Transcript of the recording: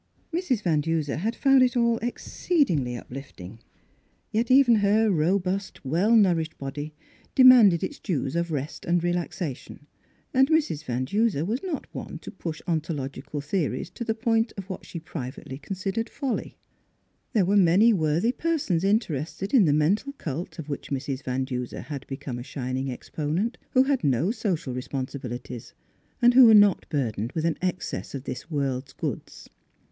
Mrs. Van Duser had found it all ex ceedingly uplifting, yet even her robust, w^ell nourished body demanded its dues of rest and relaxation, and Mrs. Van Duser was not one to push ontological theories ^ Miss Fhilurds Wedding Gown to the point of what she privately consid ered folly. There were many worthy per sons interested in the mental cult, of which Mrs. Van Duser had become a shin ing exponent, who had no social responsi bilities and who were not burdened with an excess of this world's goods.